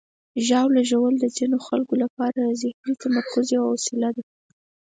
ژاوله ژوول د ځینو خلکو لپاره د ذهني تمرکز یوه وسیله ده.